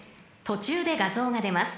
途中で画像が出ます］